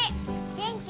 元気？